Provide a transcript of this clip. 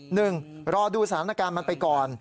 รอดูสถานการณ์มันไปก่อน